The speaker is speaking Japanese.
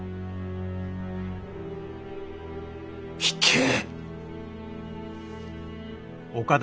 引け。